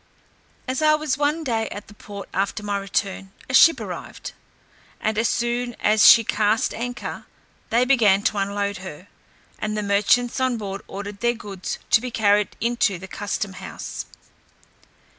As I was one day at the port after my return, a ship arrived, and as soon as she cast anchor, they began to unload her, and the merchants on board ordered their goods to be carried into the customhouse.